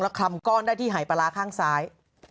คลำก้อนได้ที่หายปลาร้าข้างซ้าย